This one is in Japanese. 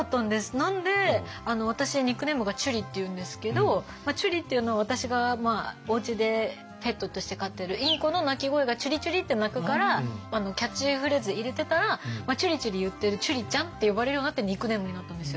なんで私「ちゅり」っていうのは私がおうちでペットとして飼ってるインコの鳴き声が「ちゅりちゅり」って鳴くからキャッチフレーズで入れてたら「ちゅりちゅり」言ってる「ちゅりちゃん」って呼ばれるようになってニックネームになったんですよ。